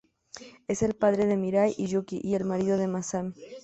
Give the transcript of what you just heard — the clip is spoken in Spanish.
Es el padre de Mirai y Yūki, y marido de Masami.